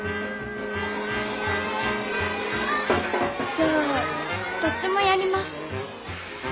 じゃあどっちもやります。